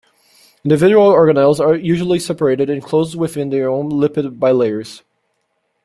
Individual organelles are usually separately enclosed within their own lipid bilayers.